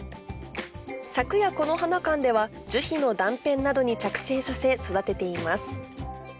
「咲くやこの花館」では樹皮の断片などに着生させ育てています